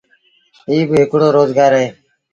ايٚ با هڪڙو روزگآر اهي۔